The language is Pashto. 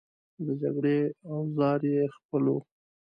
د جګړې اوزار یې خپل وو.